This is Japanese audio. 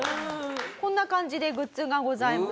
こんな感じでグッズがございます。